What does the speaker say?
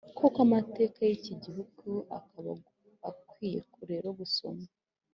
koko amateka y'iki gihugu, akaba akwiye rero gusomana